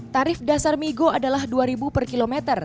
tarif dasar migo adalah rp dua per kilometer